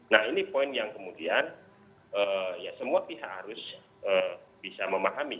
nah ini poin yang kemudian ya semua pihak harus bisa memahami